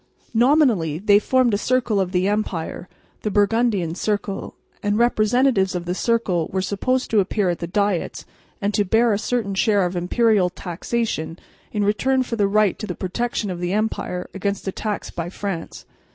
Nominally, they formed a circle of the empire, the Burgundian circle and representatives of the circle were supposed to appear at the diets and to bear a certain share of imperial taxation in return for the right to the protection of the empire against attacks by France.